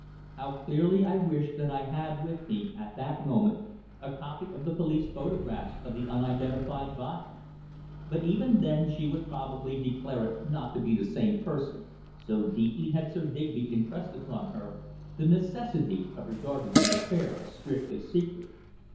How dearly I wished that I had with me at that moment a copy of the police photographs of the unidentified body. But even then she would probably declare it not to be the same person, so deeply had Sir Digby impressed upon her the necessity of regarding the affair as strictly secret.